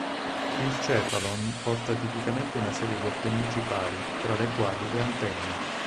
Il "cephalon" porta tipicamente una serie di appendici pari, tra le quali le antenne.